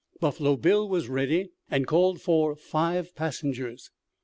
Buffalo Bill was ready and called for five passengers.